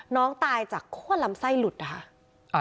น้องตายจากคั่วลำไส้หลุดนะคะ